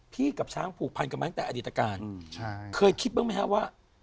กับช้างผูกพันกันมาตั้งแต่อดีตการเคยคิดบ้างไหมฮะว่า